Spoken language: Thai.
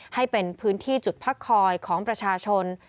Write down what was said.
ให้เป็นพื้นที่จุดพักคอยของประชาชน